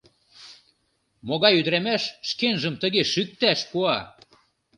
Могай ӱдырамаш шкенжым тыге шӱкташ пуа?